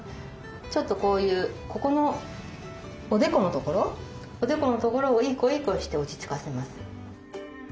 ちょっとこういうここのおでこのところをいい子いい子して落ち着かせます。